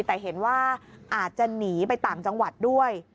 แต่เห็นว่าอาจจะหนีไปต่างจังหวัดด้วย